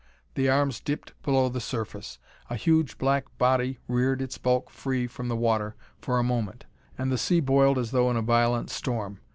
The arms dipped below the surface. A huge black body reared its bulk free from the water for a moment, and the sea boiled as though in a violent storm.